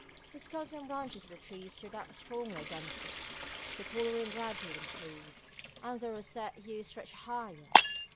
The skeleton branches of the trees stood out strongly against it. The colouring gradually increased, and the roseate hue stretched higher.